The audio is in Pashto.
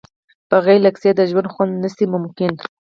بغیر له کیسې د ژوند خوند نشي ممکن.